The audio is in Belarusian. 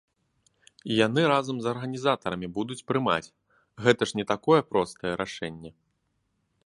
Яны разам з арганізатарамі будуць прымаць, гэта ж не такое простае рашэнне.